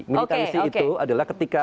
militansi itu adalah ketika